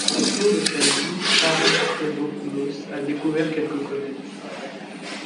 Au cours de sa vie, Paraskevopoulos a découvert quelques comètes.